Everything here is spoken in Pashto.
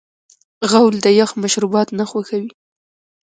غول د یخ مشروبات نه خوښوي.